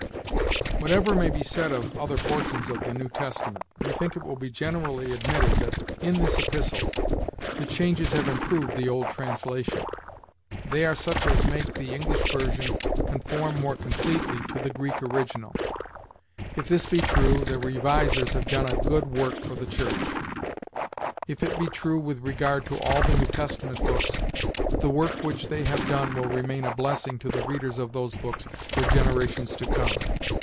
Whatever may be said of other portions of the New Testament, we think it will be generally admitted that in this Epistle the changes have improved the old translation. They are such as make the English version conform more completely to the Greek original. If this be true, the revisers have done a good work for the Church. If it be true with regard to all the New Testament books, the work which they have done will remain a blessing to the readers of those books for generations to come.